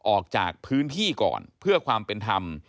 ออกจากพื้นที่ก่อนเพื่อความเป็นธรรม